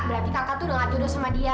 berarti kakak tuh udah nggak jodoh sama dia